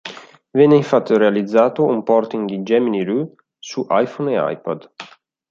Venne infatti realizzato un porting di Gemini Rue su iPhone e iPad.